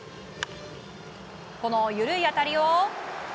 この緩い当たりを。